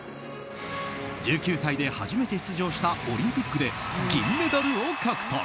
１９歳で初めて出場したオリンピックで銀メダルを獲得。